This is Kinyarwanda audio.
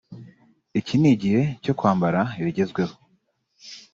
“Iki ni igihe cyo kwambara ibigezweho